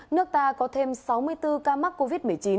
nước ta có thêm sáu mươi bốn ca mắc covid một mươi chín